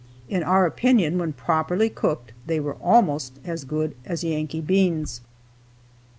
In our opinion, when properly cooked, they were almost as good as Yankee beans.